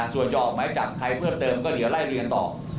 ส่วนจะออกหมายจับใครเพิ่มเติมก็เดี๋ยวไล่เรียนต่อ